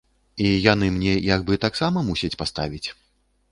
І яны мне як бы таксама мусяць паставіць.